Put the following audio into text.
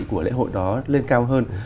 của lễ hội đó lên cao hơn